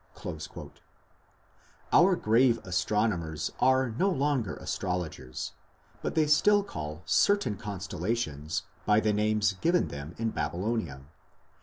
Our grave astronomers are no longer astrologers, but they still call certain constellations by the names given them in Babylonia.